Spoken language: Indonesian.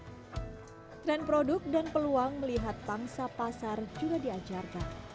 trend produk dan peluang melihat pangsa pasar juga diajarkan